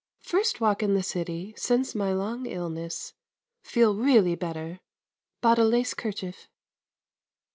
First walk in the city since my long illness. Feel really better. Bought a lace kerchief.